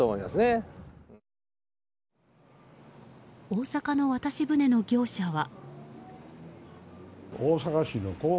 大阪の渡し舟の業者は。